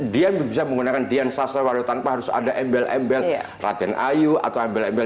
dia bisa menggunakan dian sastrawaro tanpa harus ada embel embel raden ayu atau embel embel